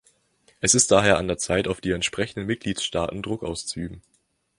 Es ist daher an der Zeit, auf die entsprechenden Mitgliedstaaten Druck auszuüben.